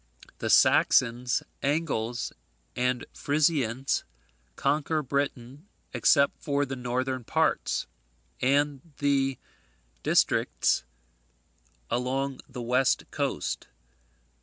The Saxons, Angles, and Frisians conquer Britain except the northern parts, and the districts along the west coast.